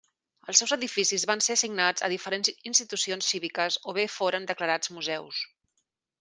Els seus edificis van ser assignats a diferents institucions cíviques o bé foren declarats museus.